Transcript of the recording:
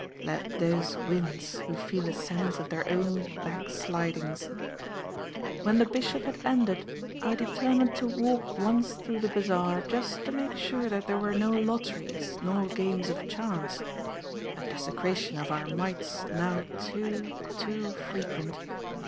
Let those wince who feel a sense of their own backslidings. When the Bishop had ended, I determined to walk once through the bazaar just to make sure that there were no lotteries nor games of chance—a desecration of our mites now too, too frequent.